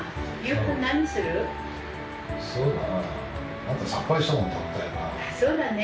そうだな。